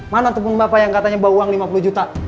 mana ataupun bapak yang katanya bawa uang lima puluh juta